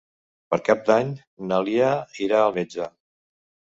Per Cap d'Any na Lia irà al metge.